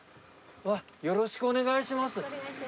よろしくお願いします。